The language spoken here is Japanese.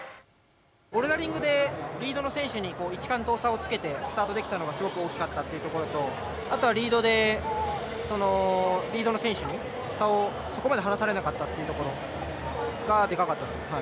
ボルダリングでリードの選手に１完登差をつけてスタートできたのがすごく大きかったというところとあとは、リードでリードの選手に差をそこまで離されなかったっていうところがでかかったですね。